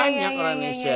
banyak orang indonesia iya